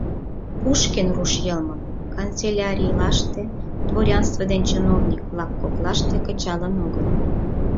Пушкин руш йылмым канцелярийлаште, дворянстве ден чиновник-влак коклаште кычалын огыл.